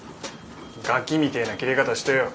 ガキみてえなキレ方してよ。